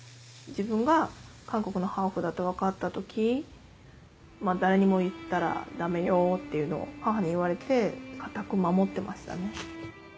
自分が韓国のハーフだって分かった時誰にも言ったらダメよっていうのを母に言われて堅く守ってましたね。